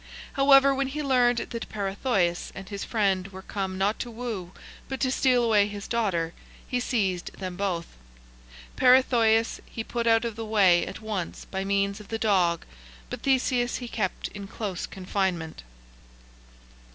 However, when he learned that Peirithoiis and his friend were come not to woo, but to steal away his daughter, he seized them both. Peirithoiis he put out of the way at once by means of the dog, but Theseus he kept in close confinement.